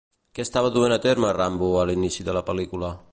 Què estava duent a terme Rambo a l'inici de la pel·lícula?